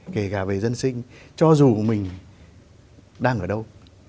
kể cả về dân sinh cho dù mình đang ở đâu